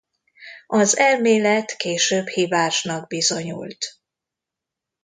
Az elmélet később hibásnak bizonyult.